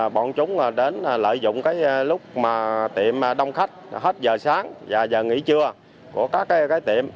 bọn chúng đến lợi dụng lúc tiệm đông khách hết giờ sáng và giờ nghỉ trưa của các tiệm